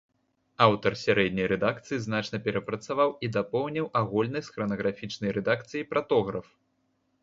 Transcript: Аўтар сярэдняй рэдакцыі значна перапрацаваў і дапоўніў агульны з хранаграфічнай рэдакцыяй пратограф.